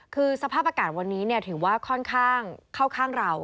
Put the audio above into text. คือสภาพอากาศวันนี้ถือว่าค่อนข้างเข้าข้างเรา